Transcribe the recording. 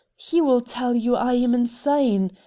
He will tell you I am insane.